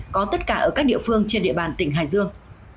có tất cả ở các địa phương trên địa bàn tỉnh hải dương